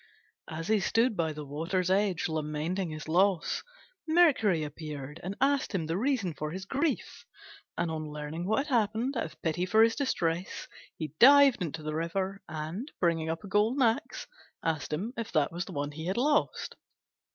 As he stood by the water's edge lamenting his loss, Mercury appeared and asked him the reason for his grief; and on learning what had happened, out of pity for his distress he dived into the river and, bringing up a golden axe, asked him if that was the one he had lost.